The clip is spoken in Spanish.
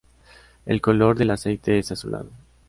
El color del aceite es azulado.